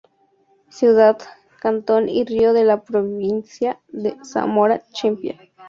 Ciudad, cantón y río de la provincia de Zamora Chinchipe.